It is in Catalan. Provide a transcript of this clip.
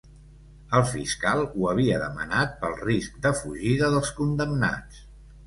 El fiscal ho havia demanat pel risc de fugida dels condemnats.